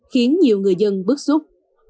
khiến nhiều người dân bức xúc